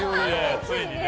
ついにね。